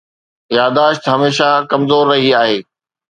ياداشت هميشه ڪمزور رهي آهي.